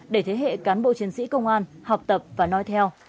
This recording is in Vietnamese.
để thế hệ cán bộ chiến sĩ công an học tập và nói theo